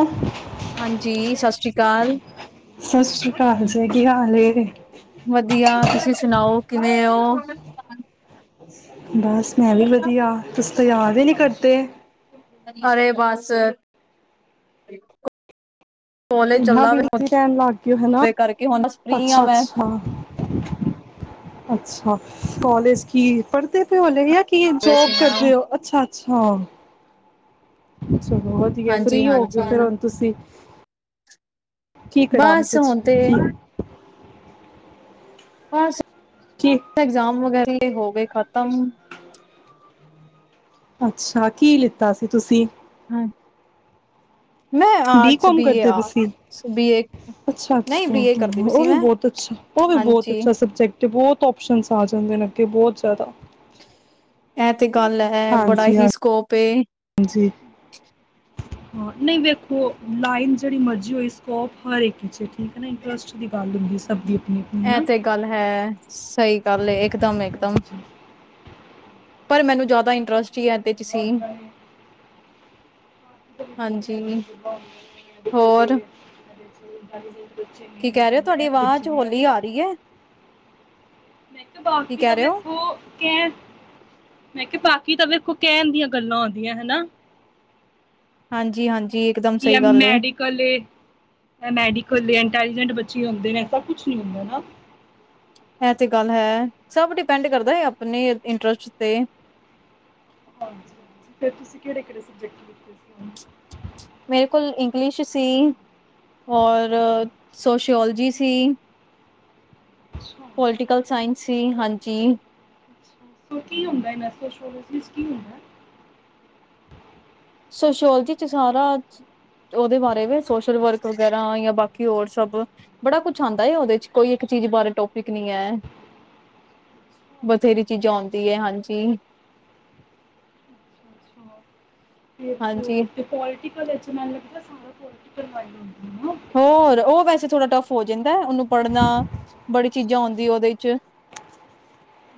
ਅ ਹਾਂਜੀ ਸਤਿ ਸ੍ਰੀ ਆਕਾਲ ਸਤ ਸ਼੍ਰੀ ਕਾਲ ਜੀ ਕੀ ਹਾਲ ਏ ਵਧੀਆ ਤੁਸੀ ਸੁਣਾਓ ਕਿਵੇਂ ਓਹ? [unintelligible] ਬਸ ਮੈਂ ਵੀ ਵਧੀਆ, ਤੁਸੀ ਤਾਂ ਯਾਦ ਈ ਨੀ ਕਰਦੇ। ਅਰੇ ਬਸ ਕੋਲਜ ਇਨਾ ਚੱਲਾ ਵੇ, ਬਿਜੀ ਰੈਣ ਲੱਗ ਗੇ ਹਨਾ, ਉਹਦੇ ਕਰਕੇ ਹੁਣ ਬਸ ਫ੍ਰੀ ਆ ਅੱਛਾ ਮੈਂ। ਅੱਛਾ। ਅੱਛਾ, ਕਾਲਜ ਕੀ ਪੜ੍ਹਦੇ ਪਏ ਔ ਹਲੇ ਜਾਂ ਕਿ ਜੋਬ ਕਰਦੇ ਔ ਅੱਛਾ। ਅੱਛਾ। ਚਲੋ ਵਧੀਆ, ਹਾਂਜੀ, ਫ੍ਰੀ ਹੋਗੇ ਔ ਫੇਰ ਹਾਂਜੀ ਹੁਣ ਤੁਸੀਂ। ਬਸ ਹੁਣ ਤੇ [unintelligible] [unintelligible] ਕੀ ਐਗਜ਼ਾਮ ਵਗੈਰੀ ਤੇ ਹੋ ਗਏ ਖਤਮ। ਅੱਛਾ, ਕਿ ਲਿੱਤਾ ਸੀ ਤੁਸੀਂ? [unintelligible] ਬੀ ਆਰਟਸ ਕਾਮ ਏ ਕਰਦੇ ਪਏ ਤੁਸੀ ਆਰਟਸ ਬੀ ਏ ਅੱਛਾ ਨਹੀਂ ਓਹ ਬੀ ਏ ਕਰਦੀ ਪਈ ਸੀ ਮੈਂ। ਤੇ ਬਹੁਤ ਹਾਂਜੀ, ਅੱਛਾ ਸਬਜੈਕਟ ਤੇ ਬੌਤ ਔਪਸ਼ਨਸ ਆ ਜਾਂਦੇ ਨੇ ਅੱਗੇ ਬਹੁਤ ਜਿਆਦਾ। ਐਤ ਤੇ ਗੱਲ ਹੈ ਬੜਾ ਹਾਂਜੀ ਹਾਂਜੀ ਹੀ ਸਕੋਪ ਏ। [inaudible] ਹੋਰ। [inaudible] ਨਹੀਂ ਵੇਖੋ ਲਾਈਨ। ਜਿਹੜੀ ਮਰਜ਼ੀ ਹੋ ਸਕੋਪ ਹਰ ਇੱਕ 'ਚ ਠੀਕ ਹੈ ਨਾ ਇੰਟਰਸਟ ਦੀ ਗੱਲ ਹੁੰਦੀ ਸਭ। ਆਪਣੀ ਆਪਣੀ ਹੈ ਇਹ ਨਾ ਤੇ ਗੱਲ ਹੈ ਸਹੀ ਗੱਲ ਇਕ ਦਮ ਇਕ ਦਮ। ਪਰ ਮੈਨੂੰ ਜ਼ਿਆਦਾ ਇੰਟਰਸਟ। [unintelligible] ਹਾਂਜੀ [inaudible] ਹੋਰ [unintelligible] [inaudible] ਕੀ ਕਹਿ ਰਹੇ ਹੋ ਤੁਹਾਡੀ ਬਲੈਕ ਆਵਾਜ਼ ਬੱਚੇ ਨੇ ਹੋਲੀ ਐਵੇਂ ਦਾ ਆ ਰਹੀ ਹੈ। ਮੈਂ ਕਿਹਾ ਕੀ ਬਾਕੀ ਤਾਂ ਕਹਿ ਰਹੇ ਹੋ ਦੇਖੋ ਕਿ ਬਾਕੀ ਤਾਂ ਵੇਖੋ ਕਹਿਣ ਦੀਆਂ ਗੱਲਾਂ ਆਉਂਦੀਆਂ ਹਨਾ। ਹਾਂਜੀ ਹਾਂਜੀ। ਇਕਦਮ ਕੀ ਸਹੀ ਗੱਲ ਏ ਮੈਡੀਕਲ ਮੈਡੀਕਲ ਇੰਟੈਲੀਜੈਂਟ ਬੱਚਾ। [unintelligible] ਐਸਾ ਕੁਛ ਨੀ ਹੁੰਦਾ ਨਾ। ਐ ਤੇ ਗੱਲ ਹੈ। ਸਬ ਡੀਪੈਂਡ ਕਰਦਾ ਐ ਆਪਨੇ ਇੰਟਰਸਟ ਤੇ ਹਾਂਜੀ, ਹਾਂਜੀ ਫੇਰ ਤੁਸੀਂ ਕੇੜੇ ਕੇੜੇ ਸਬਜੈਕਟ ਲਿਤੇ ਸੀ? ਮੇਰੇ ਕੋਲ ਇੰਗਲਿਸ਼ ਸੀ ਔਰ ਸੋਸ਼ਓਲਜੀ ਸੀ। ਅੱਛਾ [inaudible] ਪੋਲਟੀਕਲ ਸਾਇੰਸ ਸੀ ਹਾਂਜੀ। ਜੀ। [unintelligible] ਸੋ ਕੀ ਹੋਂਦਾ ਏਨਾ ਚ [unintelligible] ਕੀ ਹੋਂਦੈ। ਸੋਸ਼ਓਲੋਜੀ ਚ ਸਾਰਾ ਓਦੇ ਬਾਰੇ ਵੇ ਸੋਸ਼ਲ ਵਰਕ ਵਗੈਰਾ, ਜਾਂ ਬਾਕੀ ਹੋਰ ਸਬ ਬੜਾ ਕੁਛ ਆਂਦਾ ਐ। ਓਦੇ ਚ ਕੋਈ ਇਕ ਚੀਜ ਬਾਰੇ ਟੋਪਿਕ ਨੀ ਐ, ਬਥੇਰੀ ਚੀਜਾ ਆਂਓਦੀ ਐ ਹਾਂਜੀ। ਅੱਛਾ, [unintelligible] ਤੇ ਹਾਂਜੀ ਪੋ ਪੋਲੀਟੀਕਲ ਚ ਮੈਨ ਲਗਦਾ ਸਾਰਾ [unintelligible] ਹੋਰ ਓ ਵੈਸੇ ਥੋੜਾ ਟੱਫ ਹੋ ਜੇ ਐ, ਓਨੂ ਪੜਨਾ ਬੜੀ ਚੀਜਾ ਆਂਓਦੀ ਓਦੇ ਚ।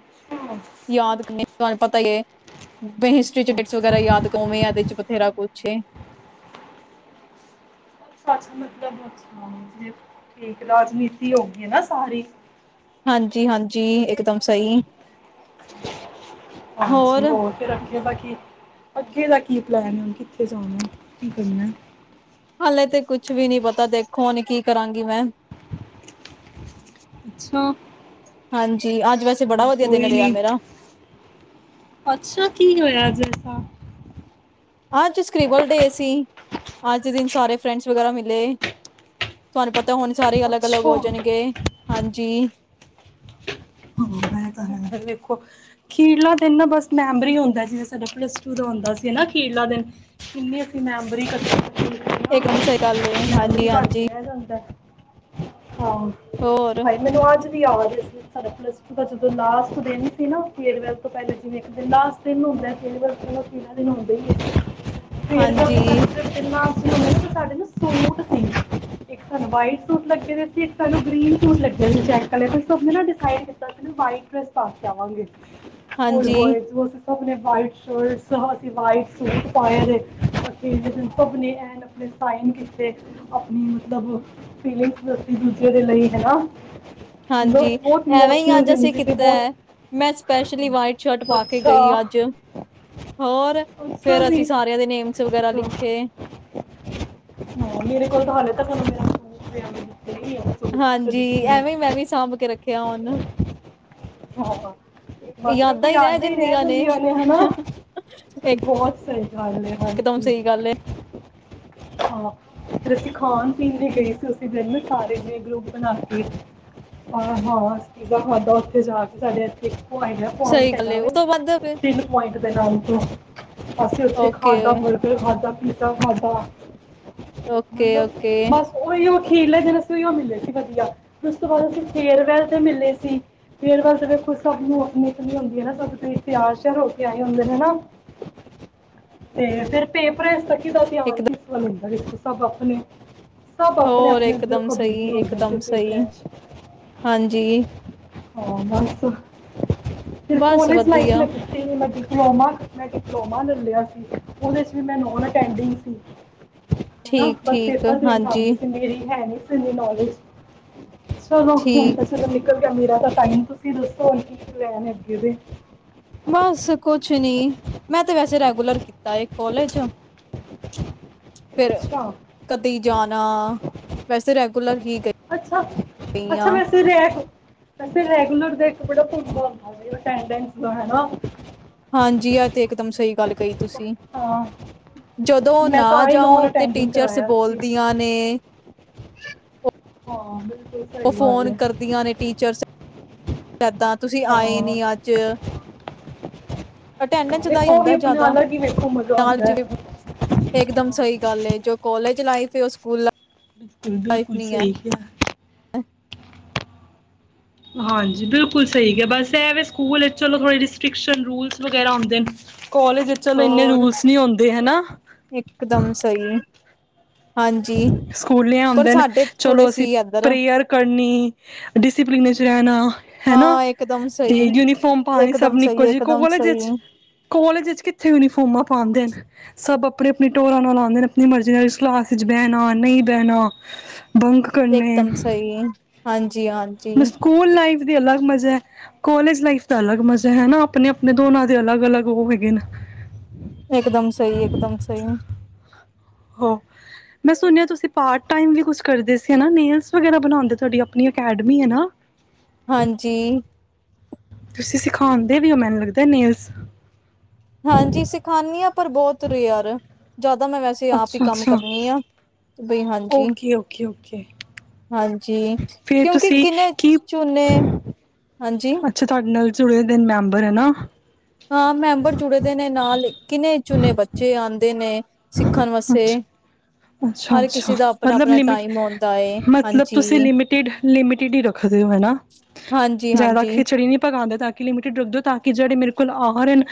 ਅੱਛਾ [unintelligible] [unintelligible] ਤੁਹਾਨ ਪਤਾ ਈ ਏ। ਬੀ ਹਿਸਟਰੀ ਚ ਡੇਕਸ ਅੱਛਾ ਵਗੈਰਾ ਯਾਦ ਕਵੇਂ ਆ ਐਦੇ ਚ ਬਥੇਰਾ ਕੁਛ। ਛੇਂ ਸੱਚ ਮਤਲਬ [unintelligible] ਠੀਕ ਰਾਜਨੀਤੀ ਹੋ ਗੀ ਏ ਨਾ ਸਾਰੀ। ਹਾਂਜੀ, ਹਾਂਜੀ ਇਕਦਮ ਸਹੀ। ਹਾਂਜੀ ਹੋਰ ਫੇਰ ਅੱਗੇ ਦਾ ਕੀ। ਅੱਗੇ ਦਾ ਕੀ ਪਲੈਨ ਐ? ਹੋਨ ਕਿੱਥੇ ਜਾਨੈ ਕੀ ਕਰਨੈ? ਹਾਲੇ ਤੇ ਕੁਛ ਵੀ ਨੀ ਪਤਾ ਦੇਖੋ ਕੀ ਕਰਾਂਗੀ ਮੈਂ। ਅੱਛਾ। [inaudible] ਵੈਸੇ ਚਲ ਬੜਾ ਵਧੀਆ ਦਿਨ ਕੋਈ ਰਿਹਾ ਨੀ। ਮੇਰਾ ਅੱਛਾ, ਕੀ ਹੋਇਆ ਅਜ ਏਸਾ। ਅੱਜ ਸਕਰੀਬਲ ਡੇ ਸੀ, ਅੱਜ ਦੇ ਦਿਨ ਸਾਰੇ ਫਰੈਂਡਸ ਵਗੈਰਾ ਮਿਲੇ। ਤੁਹਾਨੂੰ ਪਤਾ ਹੋਨ ਸਾਰੇ ਅਲੱਗ ਅਲੱਗ ਹੋ ਅੱਛਾ ਜਾਨਗੇ। ਹਾਂਜੀ। ਹ ਐ ਤਾਂ ਹੈ ਵੇਖੋ। ਅਖੀਰਲਾ ਦਿਨ ਨਾ ਬਸ ਮੈਮਰੀ ਹੋਂਦਾ, ਜੀਵੇਂ ਸਾਡਾ ਪਲੱਸ ਟੂ ਦਾ ਹੋਂਦਾ ਸੀ ਨਾ। ਅਖੀਰਲਾ ਦਿਨ, ਕਿੰਨੀ ਅਪਨੀ ਮੈਮਰੀ ਕਠੀ ਇਕਦਮ ਸਹੀ ਗਲ ਏ। ਹਾਂਜੀ, ਬਣ ਕੇ ਹਾਂਜੀ। ਰਹਿ [inaudible] ਹਾਂ, ਹੋਰ ਹਾਏ ਮੈਨੂੰ ਅੱਜ ਵੀ ਯਾਦ ਏ। ਪਲਸ ਟੂ ਦਾ ਜਦੋਂ ਲਾਸਟ ਦਿਨ ਸੀ ਨਾ, ਫੇਰਵੈਲ ਤੋਂ ਪੈਲ ਜਿਵੇਂ ਇੱਕ ਦਿਨ ਲਾਸਟ ਦਿਨ ਹੁੰਦੈ, ਫੇਅਰਵੈਲ [unintelligible] ਦਿਨ ਹੁੰਦੈ ਹੀ ਏ। ਹਾਂਜੀ [unintelligible] [unintelligible] ਸਾਡੇ ਨਾ ਸੂਟ ਸੀ। ਇੱਕ ਸਾਨੂੰ ਵਾਈਟ ਸੂਟ ਲੱਗੇ ਦੇ ਸੀ ਇੱਕ ਸਾਨੂੰ ਗ੍ਰੀਨ ਸੂਟ ਲੱਗੇ ਸੀ ਚੈਕ ਕਲਰ ਡਿਸਾੲਡ ਕਿਤਾ ਸੀ ਨਾ, ਵਾਈਟ ਡਰੈਸ ਪਾ ਕੇ ਆਵਾਂਗੇ। ਸਕੂਲ ਹਾਂਜੀ ਬੋਏਸ ਨੂ ਅਸੀ ਸਭ ਨੇ ਵਾਈਟ ਸ਼ਰਟ ਅਸੀਂ ਵਾਈਟ ਸੂਟ ਪਾਏ ਦੇ, ਅਸੀ ਸਭ ਨੇ ਐਂਡ ਚ ਆਪਣੇ ਸਾਈਨ ਕੀਤੇ, ਆਪਣੀ ਮਤਲਬ ਫਿਲੀਂਗ ਦੱਸੀ ਇਕ ਦੂਜੇ ਦੇ ਲਈ ਹਨਾ। ਹਾਂਜੀ। ਐਵੇਂ ਹੀ ਅੱਜ ਅਸੀਂ ਤੇ ਕੀਤਾ ਬਹੁਤ ਐ, ਮੈਂ ਸਪੈਸ਼ਲੀ ਵਾਈਟ ਸ਼ਰਟ ਪਾ ਕੇ ਅੱਛਾ ਗਈ ਅੱਜ, ਹੋਰ ਅੱਛਾ ਫਿਰ ਜੀ ਅਸੀਂ ਸਾਰਿਆਂ ਦੇ ਨੇਮਸ ਵਗੈਰਾ ਅੱਛਾ ਲਿਖੇ। ਹਾਂ ਮੇਰੇ ਕੋਲ ਤਾਂ ਹਾਲੇ ਤੱਕ [unintelligible] ਸੂਟ ਨਾ ਕਦੀ ਹਾਂਜੀ ਕਿਸੇ ਐਵੇਂ ਮੈਂ ਨੂੰ ਵੀ ਸਾਂਭ ਕੇ ਰੱਖੇ। ਹਾਂ, ਮਤਲਬ ਬਈ ਯਾਦਾ ਈ ਰਹਿ ਜਾਂਦੀਆਂ ਨੇ ਹਨਾਂ! ਬਹੁਤ ਸਹੀ ਗੱਲ ਐ ਇਕਦਮ ਹਾਂਜੀ ਸਹੀ ਗੱਲ ਏ, ਹਾਂ। ਫਿਰ ਅਸੀ ਖਾਨ ਪੀਨ ਭੀ ਗਈ ਸੀ ਉਸੀ ਦਿਨ। ਸਾਰੇ ਜਨੇ ਗਰੁੱਪ ਬਣਾ ਕੇ, ਹਾਂ। ਹਾਂ ਅਸੀ ਪੀਜ਼ਾ ਖਾਧਾ ਉੱਥੇ ਜਾ ਕੇ, ਪਹਲੇ ਇੱਥੇ ਪੀਜ਼ਾ ਸਹੀ ਪੁਆਇੰਟ ਗੱਲ ਹੈਗਾ ਏ, ਉਸ ਵੇ, ਤੋਂ ਬਾਅਦ ਫਿਰ ਤਿੰਨ ਪੁਆਇੰਟ ਕੰਮ ਤੋਂ [unintelligible] ਅਸੀਂ ਉੱਥੇ ਓਕੇ, ਖਾਦਾ, ਬਰਗਰ ਖਾਦਾ ਪੀਜ਼ਾ ਖਾਦਾ। ਓਕੇ, ਮਤਲਬ ਓਕੇ ਬਸ ਉਹੀਓ ਅਖੀਰਲੇ ਦਿਨ ਅਸੀਂ ਉਹਿਯੋ ਮਿਲੇ ਸੀ ਵਧੀਆ, ਫਿਰ ਉਸ ਤੋਂ ਬਾਅਦ ਅਸੀਂ ਫੇਰ ਵੇਲ ਤੇ ਮਿਲੇ ਸੀ, ਫੇਰਬੇਲ ਤੇ ਫਿਰ ਵੇਖੋ ਸਭਨੂ ਅਪਣੀ ਅਪਣੀ ਹੁੰਦੀ ਐ ਨਾ, ਸਭ ਤਿਆਰ ਹੋ ਕੇ ਆਏ ਹੁੰਦੇ ਨੇ ਨਾਂ, ਤੇ ਫਿਰ ਪੇਪਰ ਇਸ ਤ ਕਿਦਾ ਧੀਆਣ ਇਕਦਮ ਕਿਸੇ ਨੂੰ [unintelligible] ਲ੍ਰਿਸ਼ ਸਭ ਆਪਣੇ ਸਭ ਹੋਰ ਆਪਣੇ-ਆਪਣੇ ਇਕਦਮ ਦੇਖੋ ਸਹੀ, ਬਿਜ਼ੀ ਹੁੰਦੇ ਇਕਦਮ ਸਹੀ, ਪੇਪਰਾਂ ਚ ਹਾਂਜੀ ਹਾਂ ਬਸ ਫਿਰ ਬਸ ਕੋਲਜ ਲਾਈਫ ਵਧੀਆ। ਲ ਮ ਡਿਪਲੋਮਾ ਮੈਂ ਡਿਪਲੋਮਾ ਲਲਿਆ ਸੀ, ਉਹਦੇ ਚ ਵੀ ਮੈਂ ਨੋਨ ਅਟੈਂਡਿੰਗ ਸੀ। ਹਨਾਂ, ਠੀਕ, ਬਸ ਠੀਕ ਪੇਪਰ ਦੇਨ ਹਾਂਜੀ, ਜਾਂਦੀ ਸੀ ਮੇਰੀ ਹੈ ਨੀਂ। ਨੋਲਜ ਚਲੋ ਠੀਕ। ਹੁਣ ਤੇ ਨਿਕਲ ਗਿਆ ਮੇਰਾ ਤਾਂ ਟਾਈਮ ਤੁਸੀਂ ਦੱਸੋ ਕੀ ਪਲੈਨ ਅੱਗੇ ਦੇ। ਬਸ ਕੁਛ ਨੀਂ ਮੈਂ ਤੇ ਵੈਸੇ ਰੈਗੂਲਰ ਕੀਤਾ ਕੋਲਜ। ਫਿਰ ਅੱਛਾ, ਕਦੀ ਜਾਣਾ ਵੈਸੇ ਰੈਗੂਲਰ ਹੀ ਅੱਛਾ ਗਈ ਅੱਛਾ, ਆ ਵੈਸੇ ਰੇ ਵੈੇ ਰੈਗਲਰ ਦੇਖੋ ੜ ਟਾਈਮ ਲਨ ਲੋਣਾ [inaudible] ਹਾਂਜੀ ਆ ਤੇ ਇੱਕਦਮ ਸਹੀ ਗੱਲ ਕਹੀ ਤੁਸੀਂ ਹਾਂ ਜਦੋਂ ਮੈਂ ਤਾਂ ਨਾ ਆਈ ਨੋਨ ਜਾਓ ਤੇ ਅਟੈਂਡਿੰਗ ਟੀਚਰਸ ਕਰਾਇਆ ਸੀ ਬੋਲਦੀਆਂ ਨੇ [unintelligible] ਹਾਂ ਬਿਲ ਉਹ ਫੋਨ ਕਰਦੀਆਂ ਨੇ ਟੀਚਰਸ ਦਾਂ ਤੁਸੀਂ ਹਾਂ ਆਏ ਨੀ ਅੱਜ ਹਾਂ, ਅਟੈਂਡੈਂਸ ਦਾ ਹੀ ਵੇਖੋ ਉਹ ਵੀ ਹੁੰਦਾ ਆਪਣਾ ਜਿਆਦਾ ਅਲੱਗ ਹੀ ਵੇਖੋ ਮਜ਼ਾ ਨਾਲ ਆਉਂਦਾ ਹੈ ਇਕ ਦਮ ਸਹੀ ਗੱਲ ਜੋ ਕਾਲਜ ਚਲਾਈ ਫਿਰ ਉਹ ਸਕੂਲ ਬਿਲਕੁਲ ਸਹੀ ਕਿਹਾ ਅੱ ਹਾਂਜੀ ਬਿਲਕੁਲ ਸਹੀ ਹੈ ਬਸ ਇਹ ਸਕੂਲ ਚਲ ਥੋੜੀ ਰਿਸਟ੍ਰਿਕਸ਼ਨ ਰੂਲਜ਼ ਵਗੈਰਾ ਹੁੰਦੇ ਨੇ ਕਾਲਜ ਚਲੋ ਇਨੇ ਹੋਰ ਰੂਲਸ ਨੀ ਹੁੰਦੇ ਹਨਾ ਇਕਦਮ ਸਹੀ ਹਾਂਜੀ ਸਕੂਲੇ ਪਰ ਆਉਂਦੇ ਨੇ ਸਾਡੇ ਥੋੜੇ ਚਲੋ ਅਸੀਂ ਸੀ ਇੱਧਰ ਪ੍ਰੇਅਰ ਕਰਨੀ ਡਿਸਪਲਿਨ ਚ ਰਹਿਣਾ ਹੈਨਾ? ਹਾਂ ਇਕਦਮ ਤੇ ਸਹੀ, ਯੂਨੀਫਾਰਮ ਪਾਉਣੀ ਸਭ ਇਕਦਮ ਨੂੰ ਇੱਕੋ ਸਹੀ, ਜਿਹੀ ਇਕਦਮ ਕਾਲਜ ਸਹੀ, ਕਾਲਜ ਚ' ਕਿੱਥੇ ਯੂਨੀਫਾਰਮਾਂ ਪਾਉਂਦੇ ਨੇ ਸਭ ਅਪਣੀ ਅਪਣੀ ਟੋਰਾਂ ਨਾਲ ਆਉਂਦੇ ਨੇ ਆਪਣੀ ਮਰਜ਼ੀ ਨਾਲ ਇਸਲ ਵਿਚ ਬਹਿਣਾ ਨਹੀਂ ਬਹਿਣਾ ਬੰਕ ਕਰਨੇ ਹਾਂਜੀ। ਜੀ ਹਾਂਜੀ। ਸਕੂਲ ਲਾਈਫ ਅਲੱਗ ਮਜ਼ਾ ਹੈ, ਕੋਲਜ ਲਾਈਫ ਦਾ ਅਲੱਗ ਮਜ਼ਾ ਹੈ ਅਪਣੇ ਅਪਣੇ ਦੋਨਾਂ ਦੇ ਅਲੱਗ ਅਲੱਗ ਉਹ ਹੈਗੇ ਨੇ। ਇੱਕ ਦਮ ਸਹੀ, ਇੱਕ ਦਮ ਸਹੀ। ਹੋ ਮੈਂ ਸੁਣਿਆ ਤੁਸੀ ਪਾਰਟ ਟਾਇਮ ਵੀ ਕੁਛ ਕਰਦੇ ਸੀ ਨਾ। ਨੇਲਸ ਵਗੇਰਾ ਬਣਾਦੇ, ਤੁਹਾਡੀ ਅਪਨੀ ਅਕੈਡਮੀ ਏ ਨਾ? ਹਾਂਜੀ। ਤੁਸੀਂ ਸਿਖਾਉਂਦੇ ਵੀ ਹੋ ਮੈਨੂੰ ਲੱਗਦਾ ਨੇਲਸ। ਹਾਂਜੀ ਸਿਖਾਨੀ ਹਾਂ। ਪਰ ਬਹੁਤ ਰਿਅਰ ਜਦ ਮੈਂ ਵੈਸੇ ਆਪ ਹੀ ਕੰਮ ਅੱਛਾ-ਅੱਛਾ, ਕਰਨੀ ਆਂ ਓਕੇ ਓਕੇ ਓਕੇ ਹਾਂਜੀ ਫੇਰ ਕਿਉਂਕਿ ਤੁਸੀਂ ਗਿਨੇ ਕੀ ਚੁਨੇ ਹਾਂਜੀ ਅੱਛਾ, ਤੁਹਾਡੇ ਨਾਲ ਜੁੜੇ ਦੇ ਨੇ ਮੈਂਬਰ ਹੈ ਨਾ ਹਾਂ ਮੈਂਬਰ ਜੁੜੇ ਦੇ ਨੇ ਨਾਲ ਈ ਗਿਨੇ- ਚੁਨੇ ਬੱਚੇ ਆਉਂਦੇ ਨੇ ਸਿੱਖਣ ਵਾਸਤੇ ਹਰ ਅੱਛਾ-ਅੱਛਾ, ਕਿਸੇ ਦਾ ਮਤਲਬ ਆਪਣਾ-ਆਪਣਾ ਲਿਮਟ ਟਾਈਮ ਆਉਂਦਾ ਏ ਮਤਲਬ ਤੁਸੀ ਹਾਂਜੀ। ਲਿਮਟਿਡ ਲਿਮਟਿਡ ਹੀ ਰਖਦੇ ਹੋ ਹੈਣਾ, ਹਾਂਜੀ-ਹਾਂਜੀ, ਜ਼ਯਾਦਾ ਹਾਂਜੀ। ਖਿਚੜੀ ਨੀ ਪਕ ਹਾਲੇ ਤਕ ਲਿਮਟਿਡ ਲੋਗ ਦੋ ਤਾਕੀ ਜੇੜੇ ਮੇਰੇ ਕੋਲ ਆ ਰਹੇ ਨੇ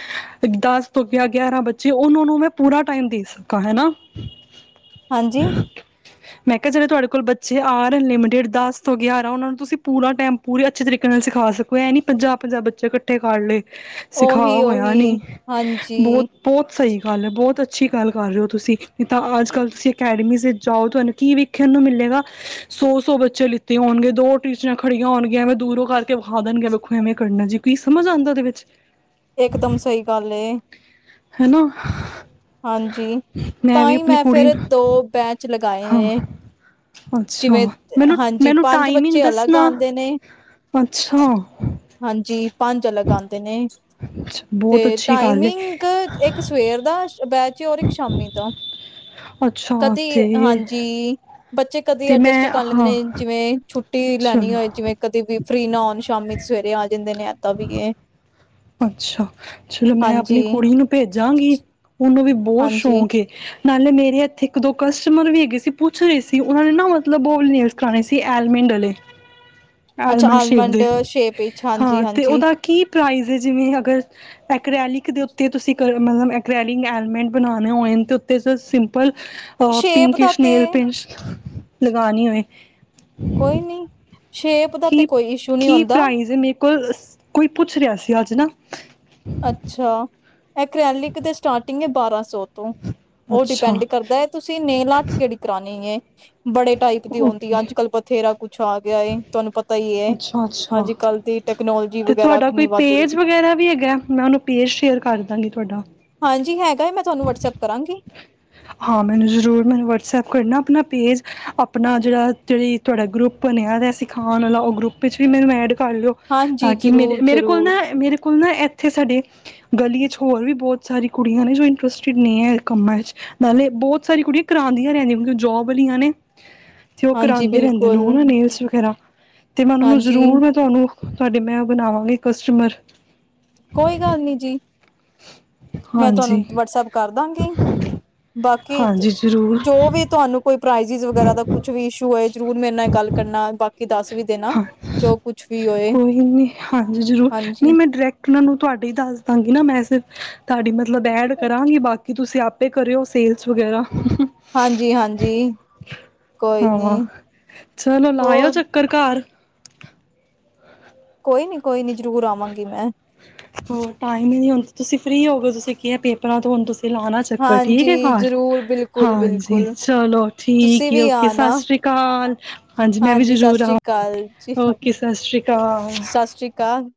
ਦਸ ਤੋਂ ਗਿਆਰਾਂ ਬੱਚੇ ੳਹਨਾਂ ਨੂੰ ਮੈਂ ਪੂਰਾ ਟਾਇਮ ਦੇ ਸਕਾਂ ਹੈਣਾ ਹਾਂਜੀ ਮੈਂ ਕਿਹਾ, ਜਿਹੜੇ ਤੁਹਾਡੇ ਕੋਲ ਬੱਚੇ ਆ ਹਹੇ ਨੇ ਲਿਮਟਿਡ ਦਸ ਤੋਂ ਗਿਆਰਾਂ ਉਹਨਾਂ ਨੂੰ ਤੁਸੀਂ ਪੂਰਾ ਟਾਇਮ ਪੂਰੇ ਅੱਛੇ ਤਰੀਕੇ ਨਾਲ ਸਿਖਾ ਸਕੋ। ਇਹ ਨੀ ਪੰਜਾਹ- ਪੰਜਾਹ ਬੱਚੇ ਇਕੱਠੇ ਕਰ ਲਏ। ਸਿਖਾ ਉਹੀ ਹੋਇਆ ਉਹੀ ਨੀ ਹਾਂਜੀ ਬਹੁਤ-ਬਹੁਤ ਸਹੀ ਹਾਲੇ ਬਹੁਤ ਅੱਛੀ ਗੱਲ ਕਰ ਰਹੇ ਹੋ ਤੁਸੀਂ, ਨਹੀਂ ਤਾਂ ਅੱਜ ਕੱਲ੍ਹ ਤੁਸੀਂ ਅਕੈਡਮੀ ਵਿੱਚ ਜਾਓ ਤੁਹਾਨੂੰ ਕੀ ਵੇਖਣ ਨੂੰ ਮਿਲੇਗਾ, ਸੌ- ਸੌ ਬੱਚੇ ਲਿੱਤੇ ਹੋਣਗੇ, ਦੋ ਟਿੱਚਰਾਂ ਖੜੀਆਂ ਹੋਣ ਗੀਆਂ, ਐਵੇਂ ਦੂਰੋਂ ਕਰਕੇ ਵਿਖਾ ਦੇਣਗੇ, ਵੇਖੋ ਐਵੇਂ ਕਰਨਾ ਜੀ। ਕੀ ਸਮਝ ਆਉਂਦਾ ਉਹਦੇ ਵਿੱਚ? ਇਕਦਮ ਸਹੀ ਗੱਲ ਏ। ਹੈਨਾ। ਹਾਂਜੀ ਤਾਂ ਹੀ, ਮੈਂ ਕੁੜੀ ਫਿਰ ਨੂੰ ਦੋ ਬੈਚ ਲਗਾਏ ਨੇ, ਹਾਂ ਅੱਛਾ ਜਿਵੇਂ ਮੈਨੂੰ ਹਾਂਜੀ, ਮੈਨੂੰ ਪੰਜ ਟਾਈਮਿੰਗ ਬੱਚੇ ਅਲੱਗ ਦੱਸਣਾ ਆਉਂਦੇ ਨੇ ਅੱਛਾ ।ਹਾਂਜੀ। ਪੰਜ ਅਲਗ ਆਂਦੇ ਨੇ। ਤੇ ਬਹੁਤ ਅੱਛੀ ਗੱਲ ਹੈ ਟਾਈਮਿੰਗ, ਇੱਕ ਸਵੇਰ ਦਾ ਰ ਇੱਕ ਸ਼ਾਮੀ ਤੋਂ ਅੱਛਾ ਕਦੇ ਤੇ ਹਾਂਜੀ ਬੱਚੇ ਕਦੇ ਤੇ ਐਡਜਸਟ ਮੈਂ ਕਰ ਲੈਂਦੇ ਹਾਂ ਨੇ ਜਿਵੇਂ ਛੁੱ ਰਟੀ ਲੈਣੀ ਚਲੋ ਹੋਏ ਜਿਵੇਂ, ਕਦੇ ਵੀ ਫ੍ਰੀ ਨਾ ਆਉਣ ਸ਼ਾਮੀ ਸਵੇਰੇ ਆ ਜਿੰਦੇ ਨੇ ਆਤਾ ਵੀ ਇਹ ਅੱਛਾ ਚਲੋ, ਮੈਂ ਹਾਂਜੀ ਆਪਣੀ ਕੁੜੀ ਨੂੰ ਭੇਜਾਂਗੀ। ਮੁ ਵੀ ਬਹੁਤ ਹਾਂਜੀ ਸ਼ੌਕ ਏ। ਨਾਲੇ ਮੇਰੇ ਏਥੇ ਇੱਕ, ਦੋ ਕਸਟਮਰ ਵੀ ਹੈਗੇ ਸੀ, ਪੁੱਛ ਰਹੇ ਸੀ, ਉਹਨਾਂ ਨੇ ਨਾ ਮਤਲਬ ਬਬਸ ਕਰਾਣੇ ਸੀ ਐਲਮਿੰਡ ਵਾਲੇ ਅੱਛਾ ਆਲਮੰਡ ਸ਼ੇਵ ਦੇ ਸ਼ੇਪ ਵਿੱਚ ਹਾਂਜੀ ਹਾਂ ਤੇ, ਹਾਂਜੀ ਉਹਦਾ ਕੀ ਪ੍ਰਾਈਜ਼? ਜਿਵੇਂ, ਅਗਰ ਐਕ੍ਰੈਲਿਕ ਦੇ ਉੱਤੇ ਤੁਸੀਂ ਕ ਮਤਲਬ ਐਕ੍ਰੈਲਿਕ ਐਲੀਮੈਂਟ ਬਣਾਉਣੇ ਹੋਏ ਹਨ ਅਤੇ ਉੱਤੇ ਸਿੰਪਲ ਅ ਸ਼ੇਪ ਦਾ ਪਿੰਕੀਸ਼ ਤੇ ਨੇਲ ਪੇੰਟ ਲਗਾਾਨੀ ਹੋਏ। ਕੋਈ ਨੀ। ਸ਼ੇਪ ਦਾ ਤੇ, ਕੋਈ ਇਸ਼ੂ ਨਹੀਂ ਹੁੰਦਾ। ਕੋ ਕੋਈ ਪੁੱਛ ਰਿਹਾ ਸੀ ।ਅੱਜ ਨਾ ਅੱਛਾ ਐਕ੍ਰੈਲਿਕ ਦੇ ਸਟਾਰਟਿੰਗ ਹੈ ਬਾਰ੍ਹਾਂ ਸੌ ਤੋਂ ਉਹ ਅੱਛਾ ਡਿਪੈਂਡ ਕਰਦਾ ਹੈ, ਤੁਸੀਂ ਨੇਲ ਆਟ ਕਿਹੜੀ ਕਰਾਣੀ ਏ। ਜ [inaudible] ਬੜੇ ਟਾਈਪ ਦੀ ਆਉਂਦੀ ਹੈ, ਓਕੇ ਅੱਜ ਕੱਲ ਬਥੇਰਾ ਕੁਛ ਆ ਗਿਆ ਏ, ਤੁਹਾਨੂੰ ਪਤਾ ਹੀ ਹੈ ਅੱਛਾ ਅੱਛਾ ਅੱਜ-ਕੱਲ ਦੀ। ਟੈਕਨੋਲੋਜੀ ਤੇ ਵਗੈਰਾ ਤੁਹਾਡਾ ਕੋਈ ਕਿੰਨੀ ਵੱਧ ਰਹੀ ਪੇਜ ਵਗੈਰਾ ਵੀ ਹੈਗਾ, ਮੈਂ ਉਹਨੂੰ ਪੇਜ ਸ਼ੇਅਰ ਕਰ ਦਾਂਗੀ ਤੁਹਾਡਾ। ਹਾਂਜੀ ਮੈਂ ਹੈਗਾ ਤੁਹਾਨੂੰ ਵਟਸਐਪ ਕਰਾਂਗੀ ਹਾਂ ਮੈਨੂੰ ਜ਼ਰੂਰ ਮੈਨੂੰ ਵਟਸਐਪ ਕਰਨਾ ਆਪਣਾ ਪੇਜ ਆਪਣਾ ਜਿਹੜਾ ਜਿਹੜੀ ਤੁਹਾਡਾ ਗਰੁੱਪ ਬਣਿਆ ਰਿ ਸਿਖਾਉਣ ਵਾਲਾ ਉਹ ਗਰੁੱਪ ਵਿੱਚ ਵੀ ਮੈਨੂੰ ਐਡ ਕਰ ਲਿਓ ਹਾਂਜੀ ਤਾਂ ਕਿ ਮੇਰੇ, ਜ਼ਰੂਰ ਮੇਰੇ ਕੋਲ ਜ਼ਰੂਰ ਨਾ ਮੇਰੇ ਹੁਣ ਨਾ ਇਥੇ ਸਾਡੇ ਗਲੀ ਚ ਹੋਰ ਵੀ ਬਹੁਤ ਸਾਰੀ ਕੁੜੀਆਂ ਨੇ ਜੋ ਇੰਟਰਸਟਿਡ ਨੇ ਹੈ ਕੰਮਾਂ ਵਿਚ ਨਾਲੇ ਬਹੁਤ ਸਾਰੀ ਕੁੜੀਆਂ ਕਰਾਉਂਦੀਆਂ ਰਹਿੰਦੀਆਂ ਕਿਉ ਜੋਬ ਵਾਲੀਆਂ ਨੇ ਤੇ ਉਹ ਹਾਂਜੀ ਕਰਾਉਂਦੇ ਰਹਿੰਦੇ ਨੇ ਬਿਲਕੁਲ ਹਨਾ ਨੇਲਸ ਵਗੈਰਾ ਤੇ ਮੈਂ ਉਹ ਨੂੰ ਹਾਂਜੀ ਜ਼ਰੂਰ, ਮੈਂ ਤੁਹਾਨੂੰ ਤੁਹਾਡੇ ਮੈਂ ਬਣਾਵਾਂਗੀ ਕਸਟਮਰ ਕੋਈ ਗੱਲ ਨੀ ਜੀ ਮੈਂ ਹਾਂਜੀ ਤੁਹਾਨੂੰ ਵਟਸਐਪ ਕਰਦਾਂਗੀ ਬਾਕੀ ਹਾਂਜੀ ਜ਼ਰੂਰ ਜੋ ਵੀ ਤੁਹਾਨੂੰ ਕੋਈ ਪ੍ਰਾਈਜ਼ ਚਿਜ ਵਗੈਰਾ ਦਾ ਕੁਛ ਵੀ ਸ਼ੌ ਏ ਜ਼ਰੂਰ ਮੇਰੇ ਨਾਲ ਗੱਲ ਕਰਨਾ ਬਾਕੀ ਦੱਸ ਵੀ ਦੇਣਾ ਹਾਂ ਜੋ ਕੁਛ ਵੀ ਹੋਏ ਕੋਈ ਨਹੀਂ ਹਾਂਜੀ ਜ਼ਰੂਰ ਹਾਂਜੀ ਨਹੀਂ ਮੈਂ ਡਾਇਰੈਕਟ ਉਹਨਾਂ ਨੂੰ ਤੁਹਾਡੇ ਹੀ ਦੱਸ ਦਾਂਗੀ ਨਾ ਮੈਸਜ਼ ਤਾੜੀ ਮ ਲਬੈਡ ਕਰਾਂਗੇ ਬਾਕੀ ਕਿ ਤੁਸੀਂ ਆਪੇ ਕਰਿਓ ਸੇਲਸ ਵਗੈਰਾ ਹਾਂਜੀ- ਹਾਂਜੀ ਕੋਈ ਹਾਂ ਨੀ ਚਲੋ ਲਾਇਓ ਹੋਰ ਚੱਕਰ ਘਰ ਕੋਈ ਨੀ- ਕੋਈ ਨੀ ਜ਼ਰੂਰ ਆਵਾਂਗੀ ਮੈਂ ਹੋਰ, ਟਾਈਮ ਹੀ ਨਹੀਂ ਹੁੰਦਾ ਤੁਸੀਂ ਫਰੀ ਹੋ ਗੋ ਤੁਸੀਂ ਕੀ ਹੈ ਪੇਪਰਾਂ ਤੋਂ ਹੂਣ ਤੁਸੀਂ ਤੇ ਲਾਣਾ ਚੱਕਰ ਠੀਕ ਏ ਹਾਂਜੀ ਘਰ, ਜ਼ਰੂਰ ਬਿਲਕੁਲ ਹਾਂਜੀ ਬਿਲਕੁਲ ਚਲੋ ਠੀਕ ਤੁਸੀਂ ਵੀ ਓਕੇ ਸਤਿ ਆਣਾ ਸ੍ਰੀ ਅਕਾਲ, ਹਾਂਜੀ ਮੈਂ ਵੀ ਸਤਿ ਜ਼ਰੂਰ ਆ ਸ੍ਰੀ ਅਕਾਲ ਜੀ ਓਕੇ ਸਤਿ ਸ੍ਰੀ ਅਕਾਲ ਸਤਿ ਸ੍ਰੀ ਅਕਾਲ